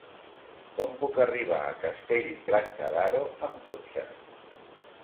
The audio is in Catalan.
Com puc arribar a Castell-Platja d'Aro amb cotxe?